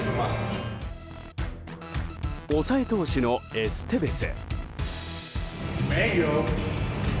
抑え投手のエステベス。